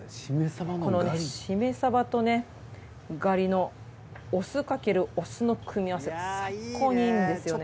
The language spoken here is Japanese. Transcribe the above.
この〆とねがりのお酢かけるお酢の組み合わせが最高にいいんですよね。